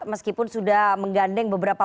meskipun sudah menggandeng beberapa